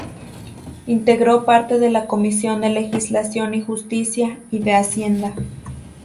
Integró parte de la Comisión de Legislación y Justicia, y de Hacienda.